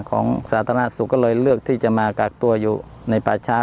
สาธารณสุขก็เลยเลือกที่จะมากักตัวอยู่ในป่าช้า